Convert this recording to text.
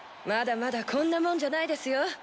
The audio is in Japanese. まだまだこんなもんじゃないですよ。